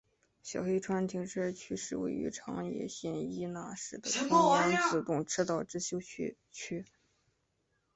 小黑川停车区是位于长野县伊那市的中央自动车道之休息区。